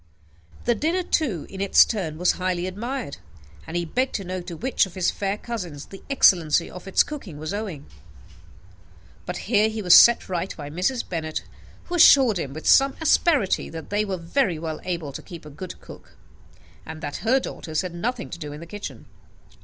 The dinner, too, in its turn, was highly admired; and he begged to know to which of his fair cousins the excellence of its cookery was owing. But here he was set right by Mrs. Bennet, who assured him, with some asperity, that they were very well able to keep a good cook, and that her daughters had nothing to do in the kitchen.